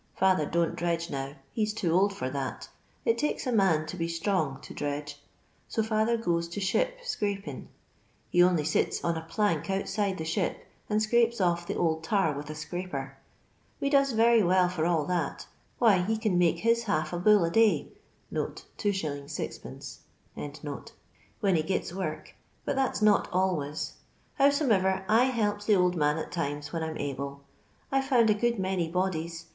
Father don't dredge now, he a too old for that ; it takes a man to be strong to dredge, so fitther goes to ship scrapin'. He on'y sits on a plank ontside the ship, and scrapes off the old tar with a Kraper. We does very well for all that — why he can make his half abuU a day \2t, 6(2.] when he gits work, but that 's not always; howsomever I helps the old man at times, when I 'm able. I 're found a good many bodies.